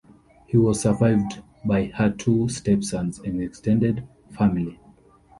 She was survived by her two stepsons and extended family.